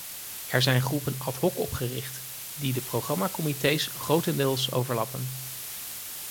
Er zijn groepen ad hoc opgericht, die de programmacomités grotendeels overlappen.